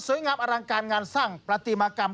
สวยงามอารังการงานสร้างปฏิมากรรม